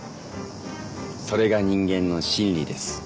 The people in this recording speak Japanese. それが人間の心理です。